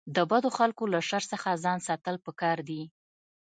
د بدو خلکو له شر څخه ځان ساتل پکار دي.